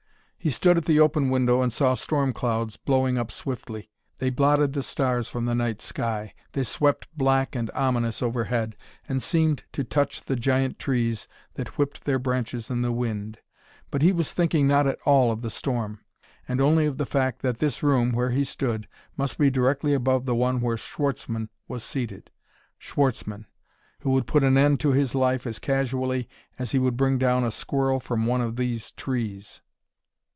He stood at the open window and saw storm clouds blowing up swiftly. They blotted the stars from the night sky; they swept black and ominous overhead, and seemed to touch the giant trees that whipped their branches in the wind. But he was thinking not at all of the storm, and only of the fact that this room where he stood must be directly above the one where Schwartzmann was seated. Schwartzmann who would put an end to his life as casually as he would bring down a squirrel from one of those trees!